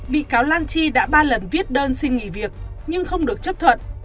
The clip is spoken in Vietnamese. bị cáo lan chi đã ba lần viết đơn xin nghỉ việc nhưng không được chấp thuận